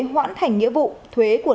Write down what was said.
hoãn thành nghĩa vụ thuế của